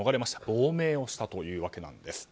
亡命をしたというわけなんです。